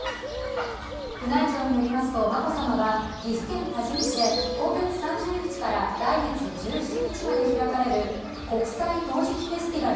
宮内庁によりますと、眞子さまは岐阜県多治見市で今月３０日から来月１７日まで開かれる国際陶磁器フェスティバル